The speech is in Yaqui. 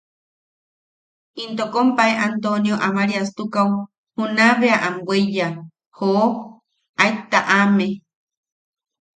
Into kompae Antonio Amariastukaʼu juna bea am weiya, ¡joo!, aet taʼame.